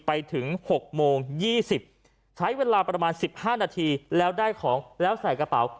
ไปถึง๖โมง๒๐ใช้เวลาประมาณ๑๕นาทีแล้วได้ของแล้วใส่กระเป๋า